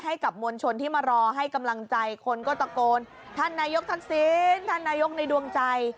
ให้กับมวลชนที่มารอให้กำลังใจคนก็ตะโกนท่านนายกทักษิณท่านนายกในดวงใจ